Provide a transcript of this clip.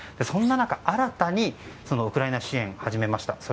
そんな中、新たにウクライナ支援始めました。